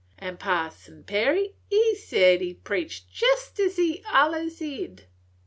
An' Parson Perry he sed he 'd preached jest 's he allers hed.